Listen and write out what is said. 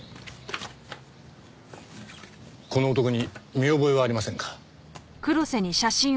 この男に見覚えはありませんか？